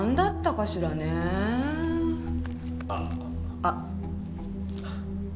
あっ。